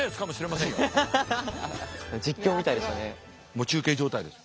もう中継状態です。